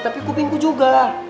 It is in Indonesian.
tapi kupingku juga